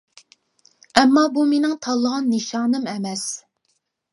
ئەمما بۇ مېنىڭ تاللىغان نىشانىم ئەمەس.